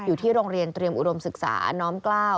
อยู่ที่โรงเรียนเตรียมอุดมศึกษาน้อมกล้าว